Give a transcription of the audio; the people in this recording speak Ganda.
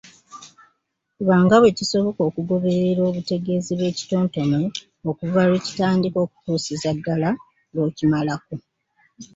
Fuba nga bwe kisoboka okugoberera obutegeezi bw’ekitontome okuva lwe kitandika okutuusiza ddala lw’okimalako.